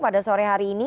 pada sore hari ini